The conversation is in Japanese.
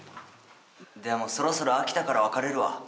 でもそろそろ飽きたから別れるわ。